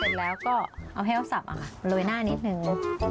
เสร็จแล้วก็เอาให้อวกับความสำคมาภคุมลวยหน้านิดหนึ่ง